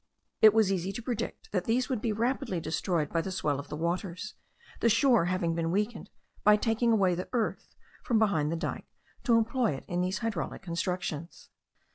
It was easy to predict that these would be rapidly destroyed by the swell of the waters, the shore having been weakened by taking away the earth from behind the dyke to employ it in these hydraulic constructions.